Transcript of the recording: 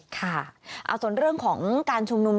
ค่ะส่วนเรื่องของการชุมนุม